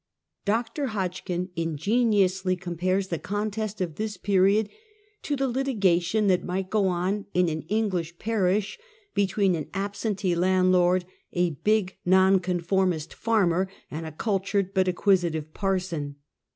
Dr. Hodgkin ingeniously compares the contest of this period to " the litigation that might go on in an English parish between an absentee landlord, a big Nonconformist farmer, and a cultured but acquisitive parson